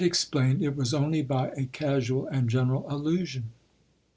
explaiii, it was only by a casual and general allu 1861. sion.